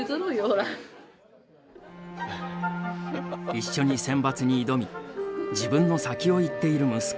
一緒に選抜に挑み自分の先を行っている息子。